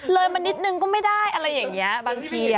เลยมานิดนึงก็ไม่ได้อะไรอย่างนี้บางที